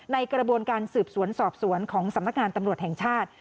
ในกระบวนการสืบสวนสอบสวนของสำนักงานตำรวจแห่งชาติ